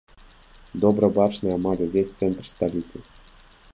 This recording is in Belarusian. Добра бачны амаль увесь цэнтр сталіцы.